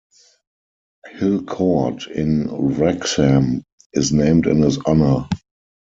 Hill Court in Wrexham is named in his honour.